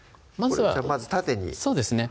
まず縦にそうですね